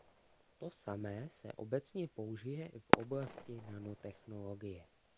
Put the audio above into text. To samé se obecně použije i v oblasti nanotechnologie.